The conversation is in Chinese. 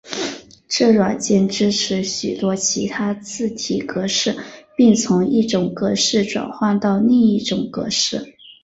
这软件支持许多其他字体格式并从一种格式转换到另一种格式。